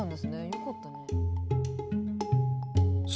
よかったね。